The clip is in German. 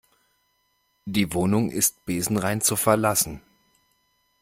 Die Wohnung ist besenrein zu verlassen.